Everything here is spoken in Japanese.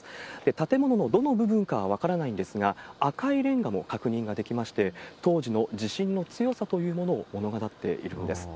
建物のどの部分化は分からないんですが、赤いれんがも確認ができまして、当時の地震の強さというものを物語っているんです。